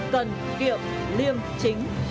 cần kiệm liêm chính